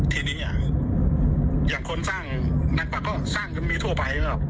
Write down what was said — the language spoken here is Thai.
ทีนี้เนี่ยอย่างคนสร้างนางกวากก็สร้างมีทั่วไปนะครับ